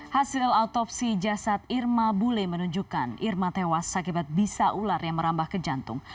hasil autopsi jasad irma bule menunjukkan irma tewas akibat bisa ular yang merambah ke jantung